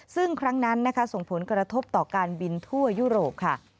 ซึ่งครั้งนั้นนะคะส่งผลกระทบต่อการบินทั่วยุโรปค่ะ